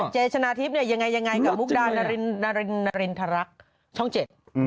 เจ๊ชนะทิพย์เนี่ยยังไงกับมุกดานารินทรักช่องเจ็ด